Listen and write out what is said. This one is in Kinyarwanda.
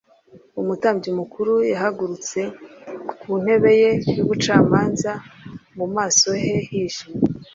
umutambyi mukuru yahagurutse ku ntebe ye y’ubucamanza, mu maso he hijimye